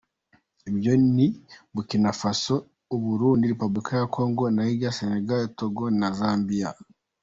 Ibyo ni Burkina Faso, u Burundi, Repuburika ya Congo, Niger, Senegal, Togo na Zambia.